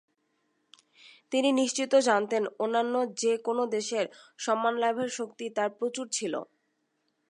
তিনি নিশ্চিত জানতেন অন্য যে-কোনো দেশে সম্মানলাভের শক্তি তাঁর প্রচুর ছিল।